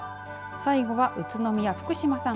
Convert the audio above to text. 最後は宇都宮、福嶋さん。